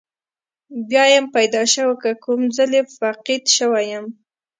بیا یم پیدا شوی که کوم ځلې فقید شوی یم.